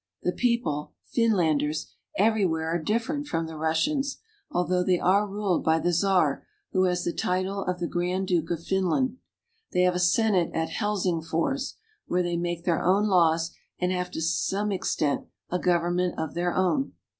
The people — Fin landers — everywhere are different from the Russians, although they are ruled by the Czar, who has the title of the Grand Duke of Finland. They have a senate at Hel singf ors, where they make their own laws and have to some extent a government of their own.